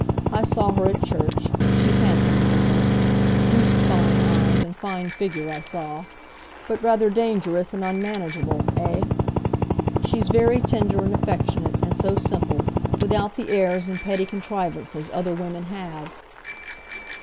"I saw her at church,—she's handsomer than this,—deuced fine eyes and fine figure, I saw; but rather dangerous and unmanageable, eh?" "She's very tender and affectionate, and so simple,—without the airs and petty contrivances other women have."